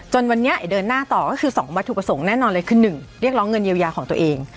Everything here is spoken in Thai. วันนี้เดินหน้าต่อก็คือ๒วัตถุประสงค์แน่นอนเลยคือ๑เรียกร้องเงินเยียวยาของตัวเอง